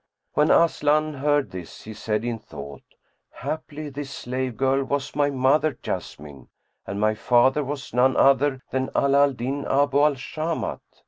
When Aslan heard this, he said in thought, "Haply this slave girl was my mother Jessamine, and my father was none other than Ala al Din Abu al Shamat."